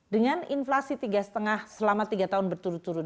dengan inflasi tiga lima selama tiga tahun berturut turut